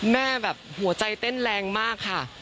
แม่แบบหัวใจเต้นแรงมากค่ะ